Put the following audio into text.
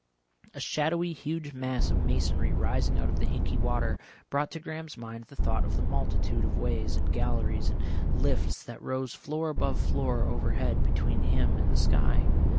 A shadowy, huge mass of masonry rising out of the inky water, brought to Graham's mind the thought of the multitude of ways and galleries and lifts that rose floor above floor overhead between him and the sky.